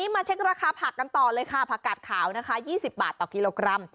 มาเช็คราคาผักกันต่อเลยค่ะผักกาดขาวนะคะ๒๐บาทต่อกิโลกรัม